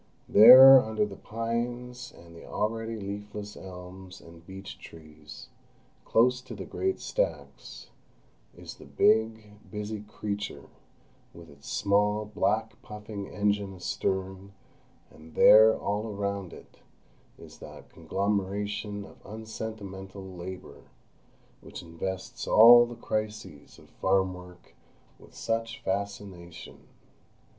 There, under the pines and the already leafless elms and beech trees, close to the great stacks, is the big, busy creature, with its small black puffing engine astern; and there, all around it, is that conglomeration of unsentimental labour which invests all the crises of farm work with such fascination.